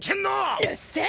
るっせえ！